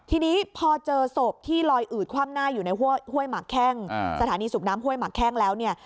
ทีนี้พอเจอศพที่ลอยอืดคว่ำหน้าอยู่ในห้วยหมักแข้งสถานีสูบน้ำห้วยหมักแข้งแล้วเนี่ย